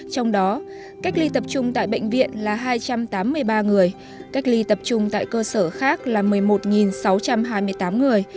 trong đó cách ly tập trung tại bệnh viện là hai trăm tám mươi ba người cách ly tập trung tại cơ sở khác là một mươi một sáu trăm hai mươi tám người